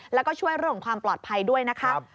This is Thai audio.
แล้วก็ช่วยเรื่องของความปลอดภัยด้วยนะคะ